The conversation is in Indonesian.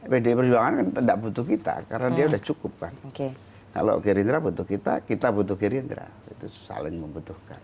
pdi perjuangan kan tidak butuh kita karena dia sudah cukup kan kalau gerindra butuh kita kita butuh gerindra itu saling membutuhkan